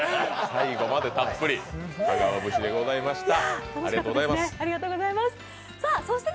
最後までたっぷり、香川節でございました。